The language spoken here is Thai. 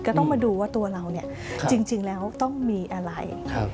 ก็ต้องมาดูว่าตัวเราเนี่ยจริงแล้วต้องมีอะไร